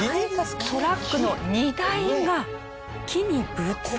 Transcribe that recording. トラックの荷台が木にぶつかって。